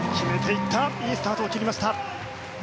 いいスタートを切りました。